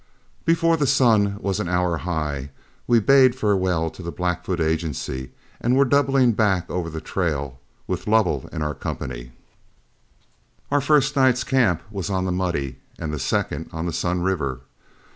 Before the sun was an hour high, we bade farewell to the Blackfoot Agency and were doubling back over the trail, with Lovell in our company. Our first night's camp was on the Muddy and the second on the Sun River.